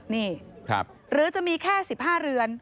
นี่หรือจะมีแค่๑๕เรือน